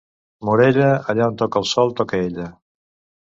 Morella, allà on toca el sol, toca ella.